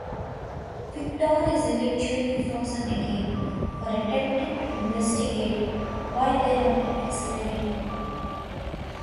Viktor is eventually frozen again for attempting to investigate why they have been accelerating.